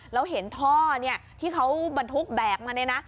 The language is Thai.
แล้วเห็นท่อเนี่ยที่มันทุบแบกมาเลยนะ